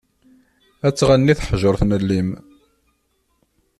Ad tɣenni teḥjurt n llim.